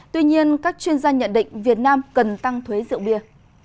tuy nhiên các chuyên gia nhận định việt nam cần tăng thuế rượu bia